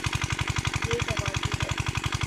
یے نمازی ہے